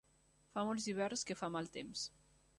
Fa molts hiverns que fa mal temps.